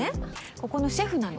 ここのシェフなの。